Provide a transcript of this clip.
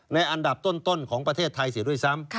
อันดับต้นของประเทศไทยเสียด้วยซ้ำ